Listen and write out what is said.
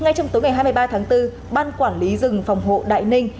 ngay trong tối ngày hai mươi ba tháng bốn ban quản lý rừng phòng hộ đại ninh